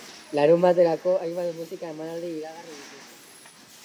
Larunbaterako, hainbat musika-emanaldi iragarri dituzte.